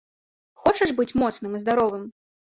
Хочаш быць моцным і здаровым?